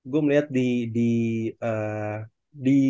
gue melihat di di